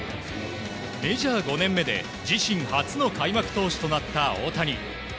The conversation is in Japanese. メジャー５年目で自身初の開幕投手となった大谷。